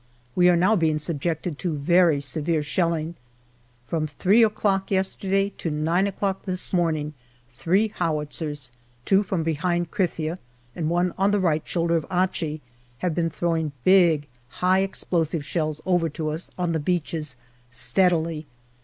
We are now being subjected to very severe shelling. From three JANUARY 1916 313 o'clock yesterday to nine o'clock this morning three how itzers, two from behind Krithia and one on the right shoulder of Achi, have been throwing big high explosive shells over to us on the beaches steadily.